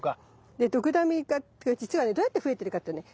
でドクダミがじつはねどうやって増えてるかっていうとね